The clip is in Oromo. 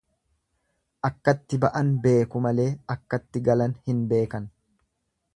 Akkatti ba'an beeku malee akkatti galan hin beekan.